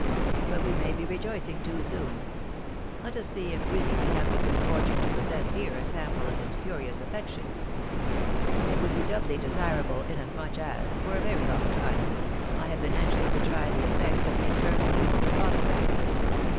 But we may be rejoicing too soon; let us see if really we have the good fortune to possess here a sample of this curious affection; it would be doubly desirable, inasmuch as, for a very long time, I have been anxious to try the effect of the internal use of phosphorus.